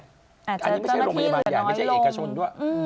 อันนี้ไม่ใช่โรงพยาบาลใหญ่ไม่ใช่เอกชนด้วย